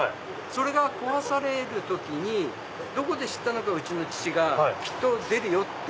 それが壊される時にどこで知ったのかうちの父がきっと出るよって。